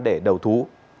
để đầu thú